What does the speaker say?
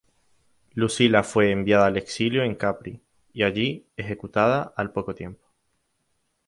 Lucila fue enviada al exilio en Capri, y allí ejecutada al poco tiempo.